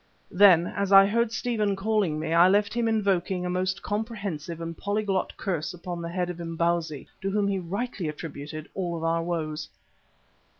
Then, as I heard Stephen calling me, I left him invoking a most comprehensive and polyglot curse upon the head of Imbozwi, to whom he rightly attributed all our woes.